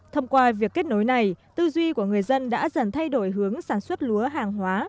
thông qua việc kết nối này tư duy của người dân đã dần thay đổi hướng sản xuất lúa hàng hóa